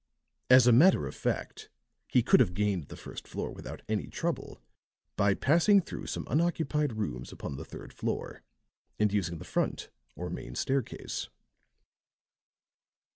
As a matter of fact he could have gained the first floor without any trouble by passing through some unoccupied rooms upon the third floor, and using the front or main staircase."